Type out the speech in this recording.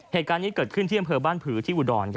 เหตุการณ์นี้เกิดขึ้นที่อำเภอบ้านผือที่อุดร